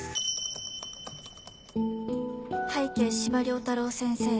拝啓司馬太郎先生